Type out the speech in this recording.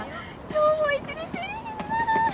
今日も１日いい日になる！